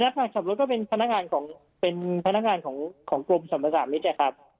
พนักงานขับรถก็เป็นพนักงานของกรมสรรพสามนี้แหละครับ